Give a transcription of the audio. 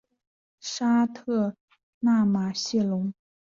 沙特奈马谢龙。